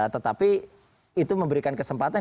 tetapi itu memberikan kesempatan